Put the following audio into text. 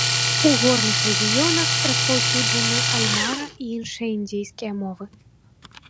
У горных рэгіёнах распаўсюджаны аймара і іншыя індзейскія мовы.